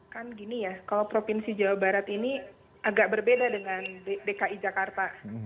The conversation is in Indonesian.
kan gini ya kalau provinsi jawa barat ini agak berbeda dengan dki jakarta